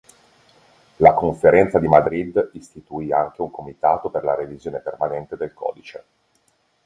La conferenza di Madrid istituì anche un comitato per la revisione permanente del codice.